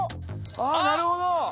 あぁなるほど！